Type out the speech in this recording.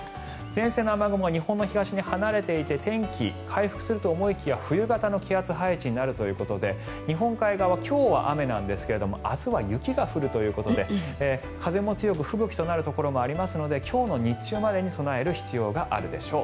前線の雨雲は日本の東に離れていて天気、回復すると思いきや冬型の気圧配置になるということで日本海側は今日は雨なんですが明日は雪が降るということで風も強く吹雪となるところもありますので今日の日中までに備える必要があるでしょう。